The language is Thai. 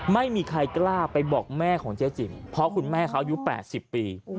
ไม่มีใครกล้าไปบอกแม่ของเจ๊จิ๋มเพราะคุณแม่เขาอายุ๘๐ปี